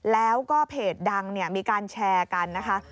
แล้วก็เพจดังมีการแชร์กันนะคะ